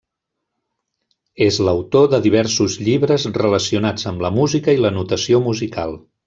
És l'autor de diversos llibres relacionats amb la música i la notació musical.